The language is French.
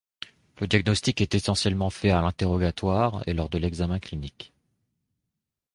Le diagnostic est essentiellement fait à l'interrogatoire et lors de l'examen clinique.